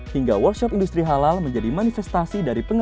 hingga workshop industri halal menjadi manifestasi dari pengusaha